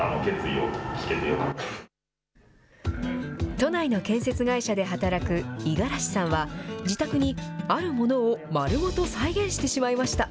都内の建設会社で働く五十嵐さんは、自宅にあるものを丸ごと再現してしまいました。